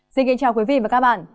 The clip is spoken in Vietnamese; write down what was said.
xin kính chào quý vị và các bạn